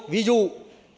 ví dụ có bao nhiêu biên chế